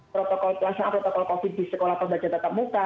pelasaran protokol covid di sekolah pembelajaran tetap muka